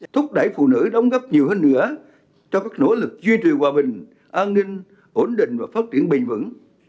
thúc đẩy phụ nữ đóng góp nhiều hơn nữa cho các nỗ lực duy trì hòa bình an ninh ổn định và phát triển bình vững